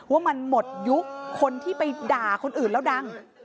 ว่ามันหมดยุคคนที่ไปด่าคนอื่นแล้วดัง